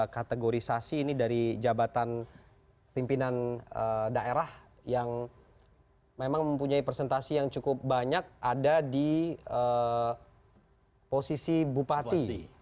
kategorisasi ini dari jabatan pimpinan daerah yang memang mempunyai presentasi yang cukup banyak ada di posisi bupati